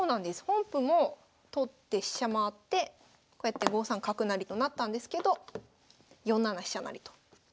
本譜も取って飛車回ってこうやって５三角成となったんですけど４七飛車成と。